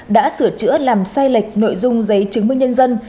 đã sửa chữa làm sai lệch nội dung giấy chứng minh nhân dân